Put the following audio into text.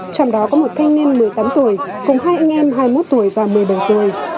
trong đó có một thanh niên một mươi tám tuổi cùng hai anh em hai mươi một tuổi và một mươi bảy tuổi